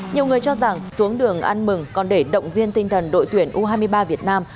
nhiều người cho rằng xuống đường ăn mừng còn để động viên tinh thần đội tuyển u hai mươi ba việt nam